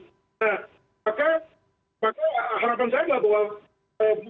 nah maka harapan saya adalah bahwa